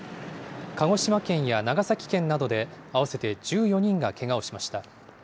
鹿児島県や長崎県などで合わせて１４人がけがをしました。